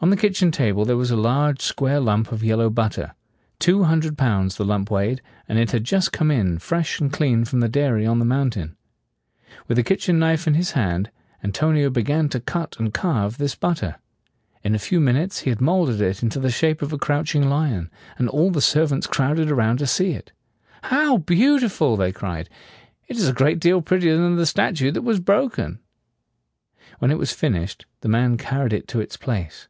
On the kitchen table there was a large square lump of yellow butter. Two hundred pounds the lump weighed, and it had just come in, fresh and clean, from the dairy on the mountain. With a kitchen knife in his hand, Antonio began to cut and carve this butter. In a few minutes he had molded it into the shape of a crouching lion; and all the servants crowded around to see it. "How beautiful!" they cried. "It is a great deal pret ti er than the statue that was broken." When it was finished, the man carried it to its place.